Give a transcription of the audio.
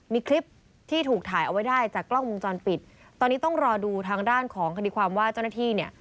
มีคลิปที่ถูกถ่ายเอาไว้ได้จากกล้องวงจรปิดตอนนี้ต้องรอดูทางด้านของคดีความว่าเจ้าหน้าที่เนี่ย